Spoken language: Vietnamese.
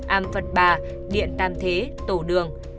am phật bà điện tam thế tổ đường